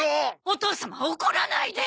お父様怒らないで！